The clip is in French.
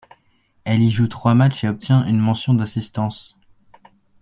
Elle y joue trois matchs et obtient une mention d'assistance.